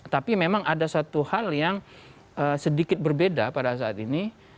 tapi memang ada satu hal yang sedikit berbeda pada saat ini